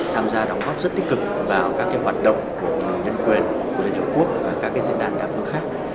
tham gia đóng góp rất tích cực vào các hoạt động của người dân quyền liên hợp quốc và các diễn đàn đa phương khác